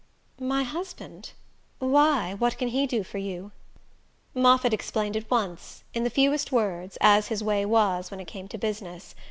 "My husband? Why, what can he do for you?" Moffatt explained at once, in the fewest words, as his way was when it came to business.